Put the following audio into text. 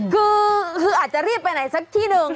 คืออาจจะรีบไปไหนสักที่หนึ่ง